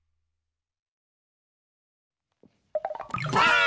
ばあっ！